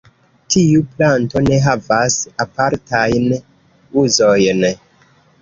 Tiu planto ne havas apartajn uzojn.